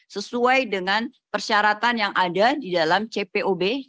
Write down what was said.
sesuai dengan persyaratan yang ada di dalam cpob